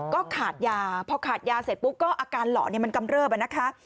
ก็ขาดยาพอขาดยาเสร็จปุ๊บก็อาการหล่อมันกำเริบนะคะ